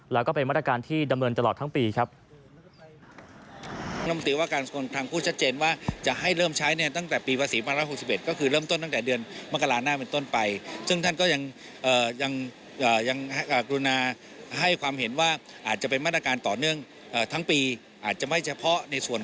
แล้วก็เป็นมาตรการที่ดำเนินตลอดทั้งปีครับ